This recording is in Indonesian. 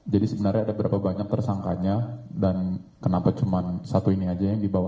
sebenarnya ada berapa banyak tersangkanya dan kenapa cuma satu ini aja yang dibawa